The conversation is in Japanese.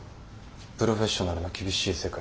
プロフェッショナルの厳しい世界だ。